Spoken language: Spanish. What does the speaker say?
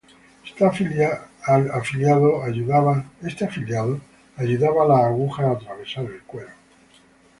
Este afilado ayudaba a las agujas a atravesar el cuero.